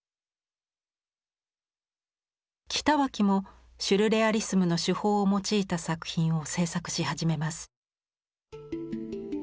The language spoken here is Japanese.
北脇もシュルレアリスムの手法を用いた作品を制作し始めます。